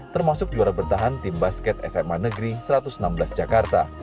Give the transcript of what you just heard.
termasuk juara bertahan tim basket sma negeri satu ratus enam belas jakarta